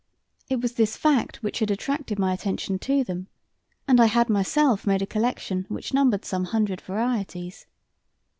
It was this fact which had attracted my attention to them, and I had myself made a collection which numbered some hundred varieties.